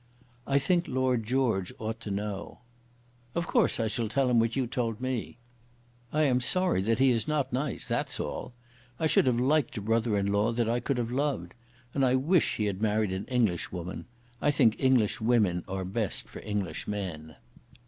"I think Lord George ought to know." "Of course I shall tell him what you told me. I am sorry that he is not nice, that's all. I should have liked a brother in law that I could have loved. And I wish he had married an English woman. I think English women are best for English men."